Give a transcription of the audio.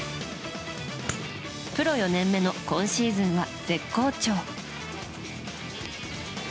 プロ４年前の今シーズンは絶好調。